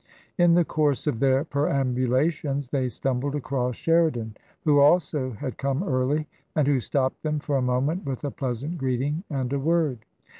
In the course of their perambulations they stumbled across Sheridan, who also had come early, and who stopped them for a moment with a pleasant greeting and a word.